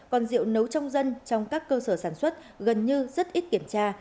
còn rượu nấu trong dân trong các cơ sở sản xuất gần như rất ít kiểm tra